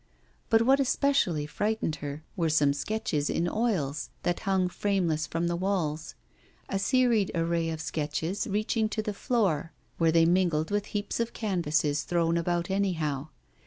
But what especially frightened her were some sketches in oils that hung frameless from the walls, a serried array of sketches reaching to the floor, where they mingled with heaps of canvases thrown about anyhow.